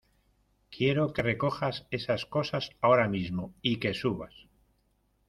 quiero que recojas esas cosas ahora mismo y que subas.